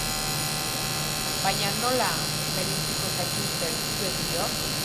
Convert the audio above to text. Baina nola bereiziko zaituztet zuek biok?